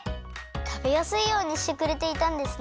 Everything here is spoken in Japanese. たべやすいようにしてくれていたんですね。